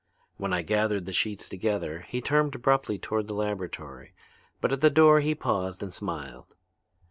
When I gathered the sheets together he turned abruptly toward the laboratory, but at the door he paused and smiled.